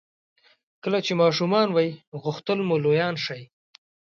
کله چې ماشومان وئ غوښتل مو لویان شئ.